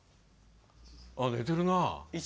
寝てるな。